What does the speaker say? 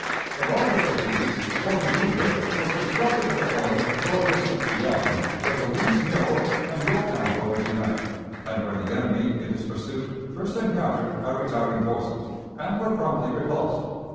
The largest of these, Fort Magruder, was constructed at a point a short distance beyond where the Lee's Mill and Yorktown roads united, and where the enemy in his pursuit first encountered our retiring forces, and were promptly repulsed.